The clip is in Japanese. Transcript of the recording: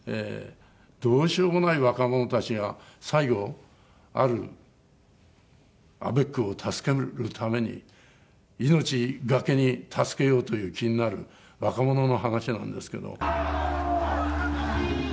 どうしようもない若者たちが最後あるアベックを助けるために命懸けに助けようという気になる若者の話なんですけど。